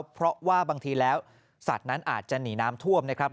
เพราะว่าบางทีแล้วสัตว์นั้นอาจจะหนีน้ำท่วมนะครับ